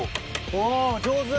お上手。